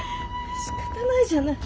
しかたないじゃない。